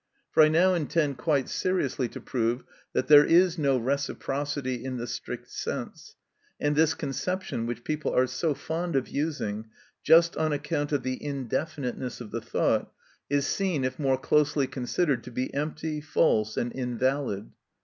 For I now intend, quite seriously, to prove that there is no reciprocity in the strict sense, and this conception, which people are so fond of using, just on account of the indefiniteness of the thought, is seen, if more closely considered, to be empty, false, and invalid.